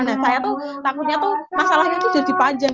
nah saya tuh takutnya tuh masalahnya itu jadi panjang